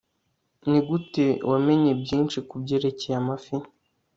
nigute yamenye byinshi kubyerekeye amafi